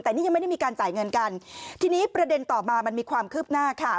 แต่นี่ยังไม่ได้มีการจ่ายเงินกันทีนี้ประเด็นต่อมามันมีความคืบหน้าค่ะ